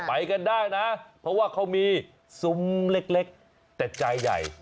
ไปกันได้นะเพราะว่าเขามีซุ้มเล็กแต่ใจใหญ่